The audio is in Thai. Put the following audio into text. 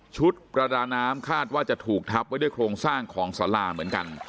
ประดาน้ำคาดว่าจะถูกทับไว้ด้วยโครงสร้างของสาราเหมือนกัน